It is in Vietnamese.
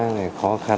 thì khó khăn